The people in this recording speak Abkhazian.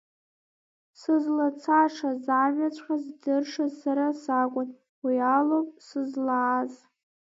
Сызлацашаз амҩаҵәҟьа здыршаз сара сакәын, уи алоуп сызлааз.